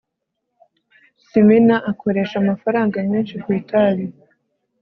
simina akoresha amafaranga menshi ku itabi